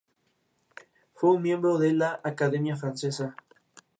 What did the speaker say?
Trajeron además sus costumbres, y entre las deportivas se encontraba la práctica del fútbol.